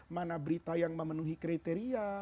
mana berita yang memenuhi kriteria